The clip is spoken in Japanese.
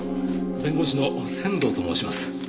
弁護士の千堂と申します。